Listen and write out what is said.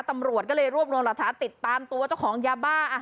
ตำรวจก็เลยรวบรวมหลักฐานติดตามตัวเจ้าของยาบ้า